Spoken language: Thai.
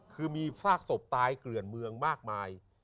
คือมีซากศพตายเกลื่อนเมืองมากมาย